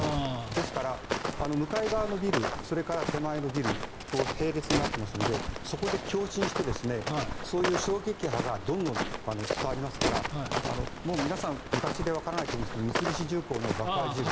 ですから向かい側のビルそれから手前のビル並列になっていますのでそこで共振してそういう衝撃波がどんどん伝わりますから皆さん、昔でわからないと思いますが三菱重工の事故。